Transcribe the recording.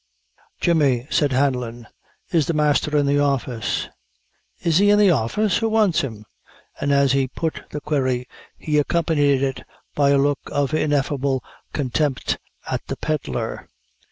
"Jemmy," said Hanlon, "is the master in the office?" "Is he in the office? Who wants him?" and as he put the query he accompanied it by a look of ineffable contempt at the pedlar.